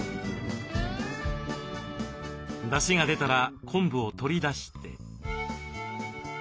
出汁が出たら昆布を取り出して。